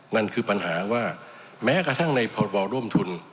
นั่นคือปัญหาว่าแม้กระทั่งในพรบร่วมทุน